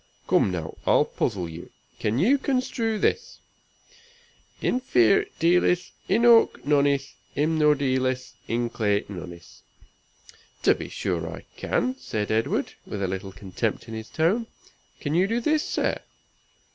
Come now, I'll puzzle you. Can you construe this? "Infir dealis, inoak noneis; inmud eelis, inclay noneis." "To be sure I can," said Edward, with a little contempt in his tone. "Can you do this, sir?